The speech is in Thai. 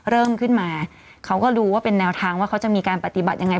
เริ่มขึ้นมาเขาก็รู้ว่าเป็นแนวทางว่าเขาจะมีการปฏิบัติยังไง